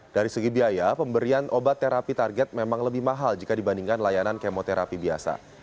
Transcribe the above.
dari segi biaya pemberian obat terapi target memang lebih mahal jika dibandingkan layanan kemoterapi biasa